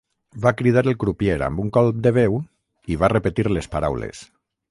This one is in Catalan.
Va cridar el crupier, amb un colp de veu, i va repetir les paraules.